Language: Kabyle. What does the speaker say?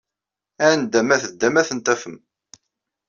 Anda ma teddam, ad ten-tafem.